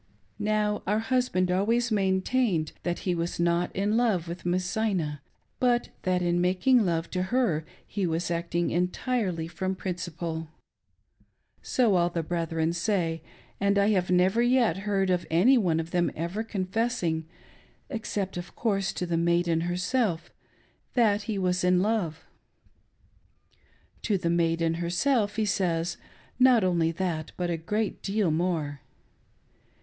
Now, our husband always maintained that he was not in . love with Miss Zina, but that in making love to her he was acting entirely from principle. So all the brethren say ; and I have never yet heard of any one of them ever confessing — except, of course, to the maiden herself — that he was in love. To the maiden herself he says, not only that, but a great deal more.